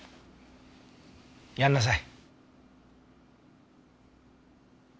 やんなさい。